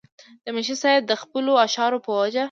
منشي صېب د خپلو اشعارو پۀ وجه